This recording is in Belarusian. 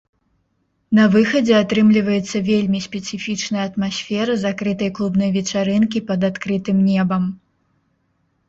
На выхадзе атрымліваецца вельмі спецыфічная атмасфера закрытай клубнай вечарынкі пад адкрытым небам.